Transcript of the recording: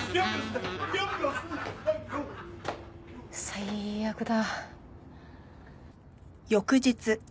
最悪だ。